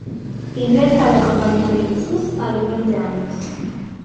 Ingresa a la Compañía de Jesús a los veinte años.